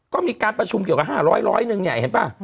ก็มีการประชุมเกี่ยวกับ๕๐๐นึงเนี่ยเห็นป่ะ